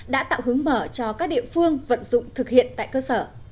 đã tạo hướng mở cho các địa phương vận dụng thực hiện tại cơ sở